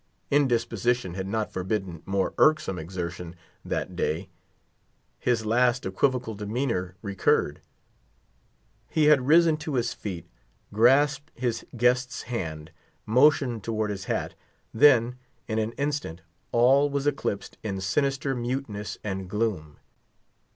Indisposition had not forbidden more irksome exertion that day. His last equivocal demeanor recurred. He had risen to his feet, grasped his guest's hand, motioned toward his hat; then, in an instant, all was eclipsed in sinister muteness and gloom.